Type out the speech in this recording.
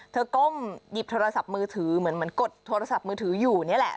ก้มหยิบโทรศัพท์มือถือเหมือนกดโทรศัพท์มือถืออยู่นี่แหละ